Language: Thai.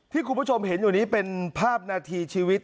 คุณผู้ชมเห็นอยู่นี้เป็นภาพนาทีชีวิต